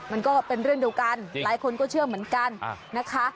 มันก็เป็นเรื่องเดียวกันหลายคนก็เชื่อเหมือนกันนะคะ